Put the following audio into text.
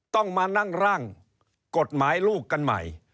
ต้องมานั่งร่างกฎหมายลูกกันใหม่